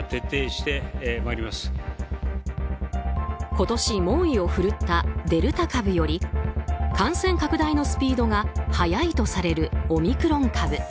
今年、猛威を振るったデルタ株より感染拡大のスピードが速いとされるオミクロン株。